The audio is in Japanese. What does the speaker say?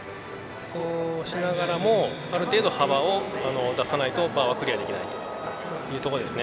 そうしながらもある程度幅を出さないとバーはクリアできないというところですね。